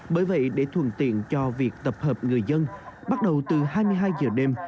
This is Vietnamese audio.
bởi vậy để thuận tiện cho việc tập hợp người dân bắt đầu từ hai mươi hai giờ đêm